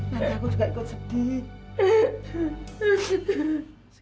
tapi aku juga ikut sedih